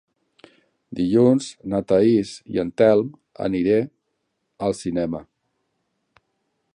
Dilluns na Thaís i en Telm aniré al cinema.